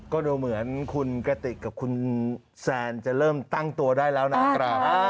ก็ดูเหมือนคุณกติกกับคุณแซนจะเริ่มตั้งตัวได้แล้วนะครับ